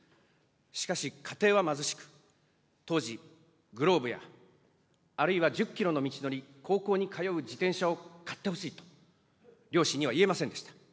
しかし家庭は貧しく、当時、グローブや、あるいは１０キロの道のり、高校に通う自転車を買ってほしいと、両親には言えませんでした。